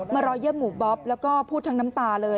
มารอเยี่ยมหมู่บ๊อบแล้วก็พูดทั้งน้ำตาเลย